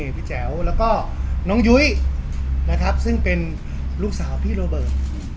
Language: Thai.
แจ๋วแล้วก็น้องยุ้ยนะครับซึ่งเป็นลูกสาวพี่โรเบิร์ต